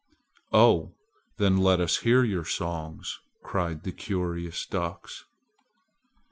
"Oh, then let us hear your songs!" cried the curious ducks.